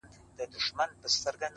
ته چي کیسه کوې جانانه پر ما ښه لګیږي -